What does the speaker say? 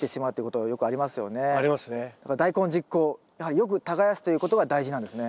やはりよく耕すということが大事なんですね。